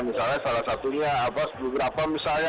misalnya salah satunya abbas blugerapa misalnya